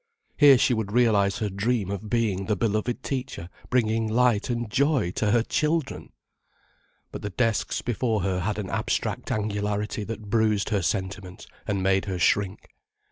Here she would realize her dream of being the beloved teacher bringing light and joy to her children! But the desks before her had an abstract angularity that bruised her sentiment and made her shrink.